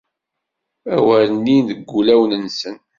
Awer inin deg wulawen-nsen.